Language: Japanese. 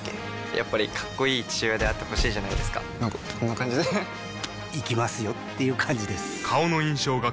やっぱりかっこいい父親であってほしいじゃないですかなんかこんな感じで行きますよっていう感じです